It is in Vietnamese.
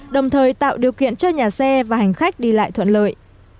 đồng thời tạo điều kiện cho nhà xe và hành khách đi lại thuận lợi